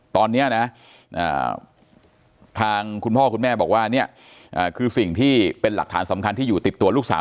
ตอนนี้นะทางคุณพ่อคุณแม่บอกว่าเนี่ยคือสิ่งที่เป็นหลักฐานสำคัญที่อยู่ติดตัวลูกสาว